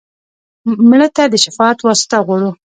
مړه ته د شفاعت واسطه غواړو